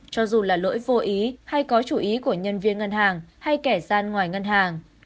cho dù là lỗi vô ý hay có chú ý của nhân viên ngân hàng hay kẻ gian ngoài ngân hàng